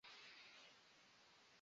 临港大道站